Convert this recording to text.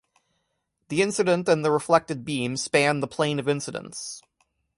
The incident and the reflected beam span the "plane of incidence".